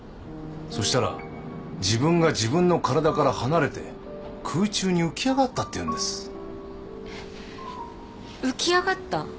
そしたら自分が自分の体から離れて空中に浮き上がったって言うんです浮き上がった？